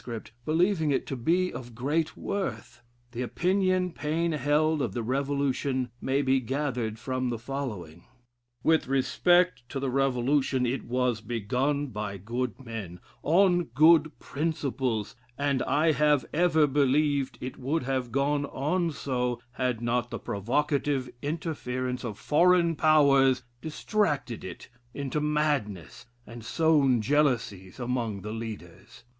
believing it to be of great worth. The opinion Paine held of the Revolution may be gathered from the following: "With respect to the Revolution, it was begun by good men, on good principles, and I have ever believed it would have gone on so, had not the provocative interference of foreign powers distracted it into madness, and sown jealousies among the leaders.